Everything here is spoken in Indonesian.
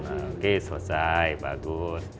oke selesai bagus